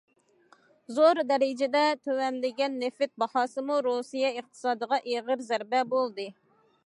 زور دەرىجىدە تۆۋەنلىگەن نېفىت باھاسىمۇ رۇسىيە ئىقتىسادىغا ئېغىر زەربە بولدى.